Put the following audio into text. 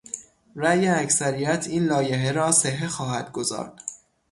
رای اکثریت این لایحه را صحه خواهد گذارد.